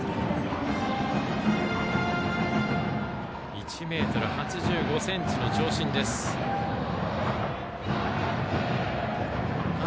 １ｍ８５ｃｍの長身です、友廣。